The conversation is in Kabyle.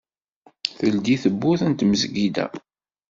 Teldi tewwurt n tmezgida.